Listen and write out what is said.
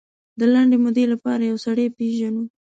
د لنډې مودې لپاره یو سړی پېژنو.